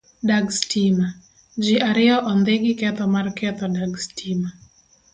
Dag stima- ji ariyo ondhi giketho mar ketho dag stima